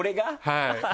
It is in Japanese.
はい。